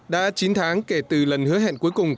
đã chín tháng kể từ lần hứa hẹn cuối cùng